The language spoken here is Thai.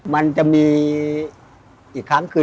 มันจะมีอีกครั้งคือ